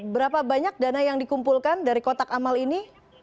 berapa banyak dana yang dikumpulkan dari kotak amal ini